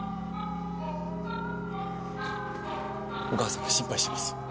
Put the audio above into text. お母さんが心配しています。